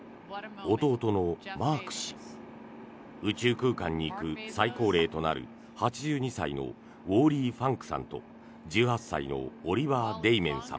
弟のマーク氏宇宙空間に行く最高齢となる８２歳のウォーリー・ファンクさんと１８歳のオリバー・デイメンさん。